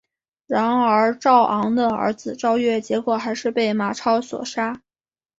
然而赵昂的儿子赵月结果还是被马超所杀。